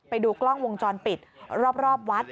ไปดูกล้องวงจรปิดรอบวัด